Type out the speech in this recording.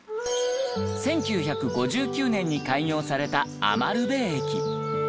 １９５９年に開業された餘部駅。